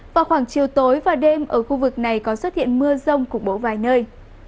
vào khoảng chiều tối và đêm ở khu vực này có xuất hiện mưa rông củng bố vài nơi